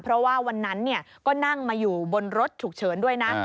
เพราะว่าวันนั้นก็นั่งมาอยู่บนรถฉุกเฉินด้วยนะ